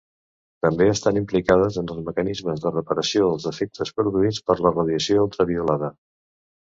També estan implicades en els mecanismes de reparació dels defectes produïts per la radiació ultraviolada.